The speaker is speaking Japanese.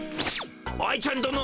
愛ちゃんどの。